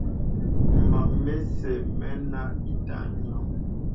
Mam məsə̀ mənə ìtə nyìəŋ.